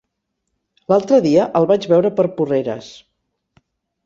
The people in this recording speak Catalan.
L'altre dia el vaig veure per Porreres.